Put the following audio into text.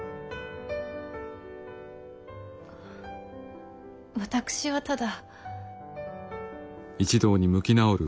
あ私はただ。